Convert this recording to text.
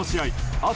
あと